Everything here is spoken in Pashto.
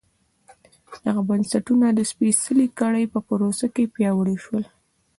دغه بنسټونه د سپېڅلې کړۍ په پروسه کې پیاوړي شول.